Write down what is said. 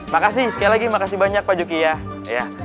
makasih sekali lagi makasih banyak pak juki ya